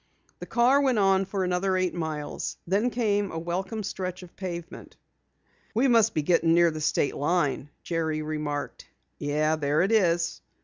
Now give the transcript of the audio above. The car went on for another eight miles. Then came a welcome stretch of pavement. "We must be getting near the state line," Jerry remarked. "Yeah, there it is."